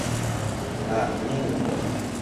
อยากเล่น !